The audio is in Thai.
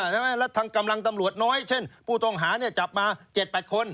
แล้วทางกำลังตำรวจน้อยเช่นผู้ต้องหาจับมา๗๘คน